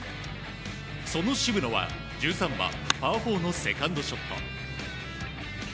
その渋野は、１３番、パー４のセカンドショット。